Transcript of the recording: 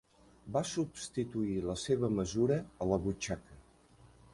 Va substituir la seva mesura a la butxaca.